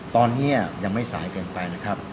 ตอนนี้ยังไม่สายเกินไป